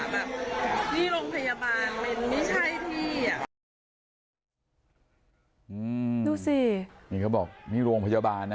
แบบนี่โรงพยาบาลมันไม่ใช่ที่อ่ะอืมดูสินี่เขาบอกนี่โรงพยาบาลนะ